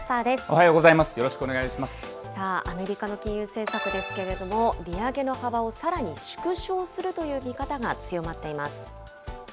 よろしアメリカの金融政策ですけれども、利上げの幅をさらに縮小するという見方が強まっています。